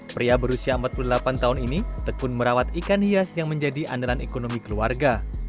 pria berusia empat puluh delapan tahun ini tekun merawat ikan hias yang menjadi andalan ekonomi keluarga